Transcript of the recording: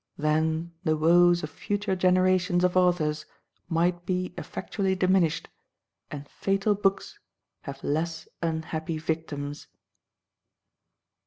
Then the woes of future generations of authors might be effectually diminished, and Fatal Books have less unhappy victims.